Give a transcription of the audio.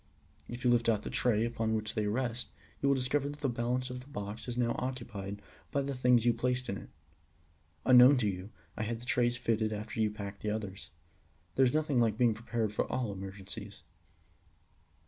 If you lift out the tray upon which they rest, you will discover that the balance of the box is now occupied by the things you placed in it. Unknown to you, I had the trays fitted after you had packed the others. There is nothing like being prepared for all emergencies.